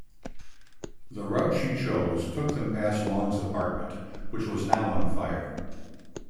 The route she chose took them past Long's apartment, which was now on fire.